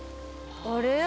あれ？